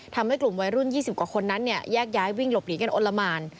ทำให้กลุ่มวัยรุ่น๒๐กว่าคนนั้นเนี่ยแยกย้ายวิ่งหลบหนีกันอลละหมาน